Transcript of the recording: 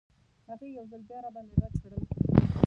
هغې یو ځل بیا راباندې غږ کړل.